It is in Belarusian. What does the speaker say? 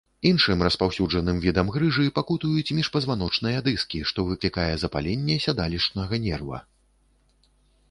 Іншым распаўсюджаным відам грыжы пакутуюць міжпазваночныя дыскі, што выклікае запаленне сядалішчнага нерва.